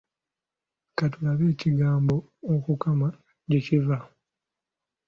Ka tulabe ekigambo “okukama” gye kyava.